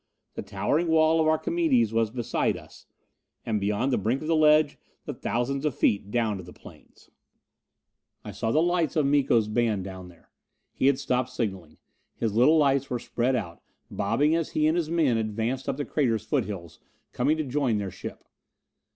The towering wall of Archimedes was beside us; and beyond the brink of the ledge the thousands of feet down to the plains. I saw the lights of Miko's band down there. He had stopped signaling. His little lights were spread out, bobbing as he and his men advanced up the crater's foothills, coming to join their ship.